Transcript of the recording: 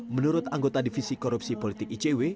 menurut anggota divisi korupsi politik icw